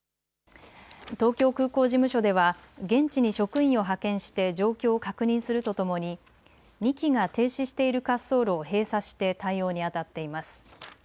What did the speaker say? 東京空港事務所では現地に職員を派遣して状況を確認するとともに２機が停止している滑走路を閉鎖して対応にあたっています。